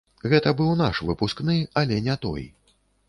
Гэта быў наш выпускны, але не той.